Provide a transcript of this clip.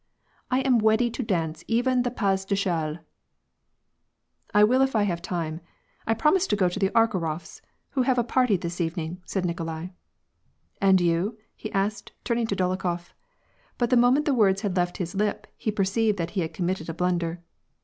'' I am weady to jlance even the pcu de chdle /" V* I will if I have time. I promised to go to the Arkharofs, vllo have a party this evening," said Nikolai. ^ And you ?" he asked turning to Dolokhof. But the mo ment the words had left his lip, he perceived that he had committed a blunder.